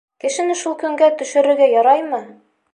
Кешене шул көнгә төшөрөргә яраймы?